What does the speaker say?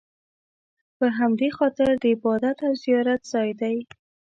په همدې خاطر د عبادت او زیارت ځای دی.